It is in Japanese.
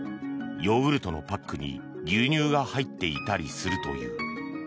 ヨーグルトのパックに牛乳が入っていたりするという。